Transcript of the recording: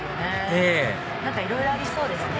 ええいろいろありそうですね！